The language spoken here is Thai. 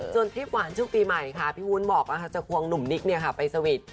จนทริปหวานชุดปีใหม่ค่ะพี่วุ้นบอกว่าเขาจะควงหนุ่มนิกไปสวิตช์